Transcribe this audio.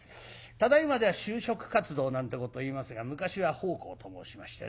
ただいまでは「就職活動」なんてことをいいますが昔は「奉公」と申しましてね